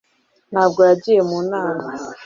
ntabwo yagiye mu nama